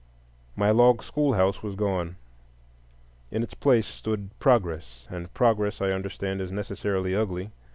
My log schoolhouse was gone. In its place stood Progress; and Progress, I understand, is necessarily ugly.